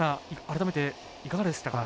改めていかがでしたか？